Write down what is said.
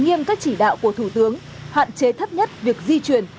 nghiêm các chỉ đạo của thủ tướng hạn chế thấp nhất việc di chuyển